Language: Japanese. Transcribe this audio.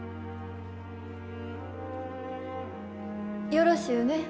よろしゅうね。